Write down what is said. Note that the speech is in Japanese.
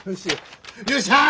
よっしゃあ！